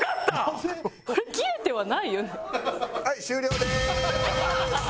はい終了です！